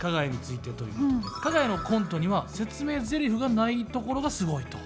かが屋のコントには説明ゼリフがないところがすごいと。